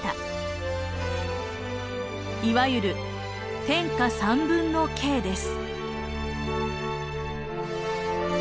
いわゆる「天下三分の計」です